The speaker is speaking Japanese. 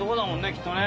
きっとね。